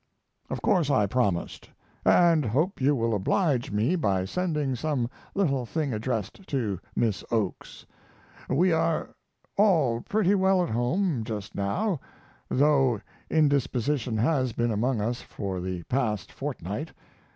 Of course I promised, and hope you will oblige me by sending some little thing addressed to Miss Oakes. We are all pretty well at home just now, though indisposition has been among us for the past fortnight.